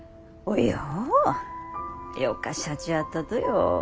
よか社長やったとよ。